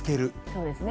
そうですね。